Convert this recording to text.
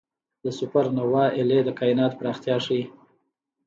د سوپرنووا Ia د کائنات پراختیا ښيي.